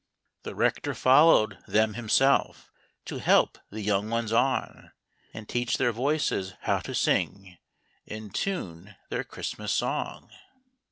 193 The Rector followed them himself, To help the young ones on, And teach their voices how to sing, In tune, their Christmas song.